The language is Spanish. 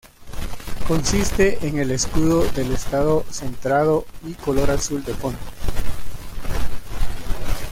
Consiste en el escudo del estado centrado y color azul de fondo.